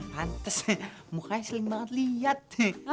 hantes mukanya sering banget lihat